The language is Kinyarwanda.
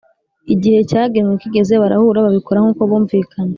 igihe cyagenwe kigeze barahura babikora nkuko bumvikanye